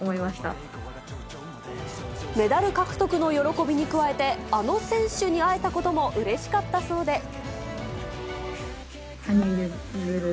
まメダル獲得の喜びに加えて、あの選手に会えたこともうれしかったそうで。